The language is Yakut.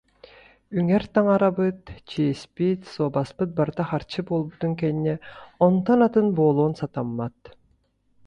Үҥэр таҥарабыт, чиэспит, суобаспыт барыта харчы буолбутун кэннэ онтон атын буолуон сатаммат